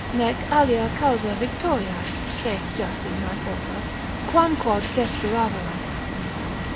Nec alia causa victoriae, (saith Justin mine author) quam quod desperaverant.